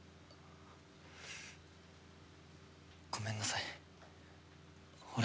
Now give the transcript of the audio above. ごめんなさい俺。